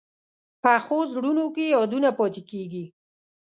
پخو زړونو کې یادونه پاتې کېږي